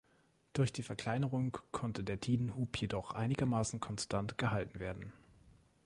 Durch die Verkleinerung konnte der Tidenhub jedoch einigermaßen konstant gehalten werden.